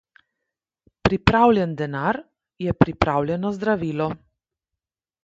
Pripravljen denar je pripravljeno zdravilo.